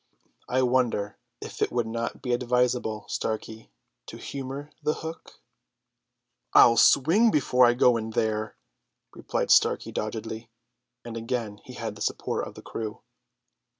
"I wonder if it would not be advisable, Starkey, to humour the hook?" "I'll swing before I go in there," replied Starkey doggedly, and again he had the support of the crew.